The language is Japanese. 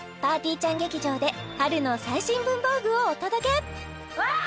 ーちゃん劇場で春の最新文房具をお届けわぁ！